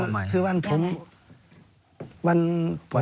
ให้ลองยื่นคำมาใหม่